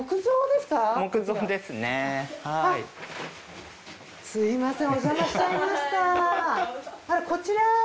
すみません。